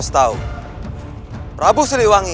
tahu prabu suliwangi